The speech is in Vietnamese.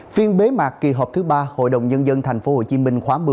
phiên bế mạc kỳ họp thứ ba hội đồng nhân dân tp hcm khóa một mươi